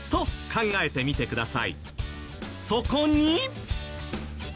そこに。